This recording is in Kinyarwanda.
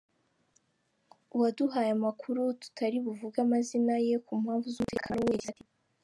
Uwaduhaye amakuru tutari buvuge amazina ye ku mpamvu z'umutekano we yagize ati:.